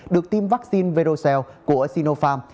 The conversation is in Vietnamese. được tiêm vaccine verocell của sinopharm